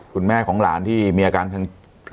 คุณแม่ของหลานที่มีอาการทาง